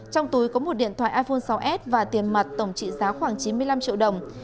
trong túi có một điện thoại iphone sáu s và tiền mặt tổng trị giá khoảng chín mươi năm triệu đồng